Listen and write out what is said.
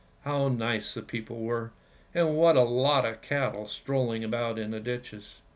How nice the people were, and what a lot of cattle strolling about in the ditches."